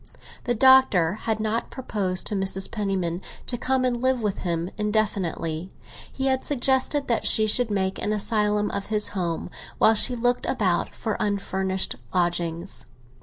The Doctor had not proposed to Mrs. Penniman to come and live with him indefinitely; he had suggested that she should make an asylum of his house while she looked about for unfurnished lodgings.